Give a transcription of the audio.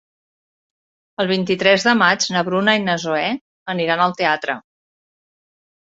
El vint-i-tres de maig na Bruna i na Zoè aniran al teatre.